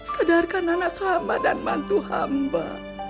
sedarkan anak hamba dan mantu hamba